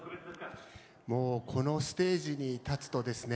もうこのステージに立つとですね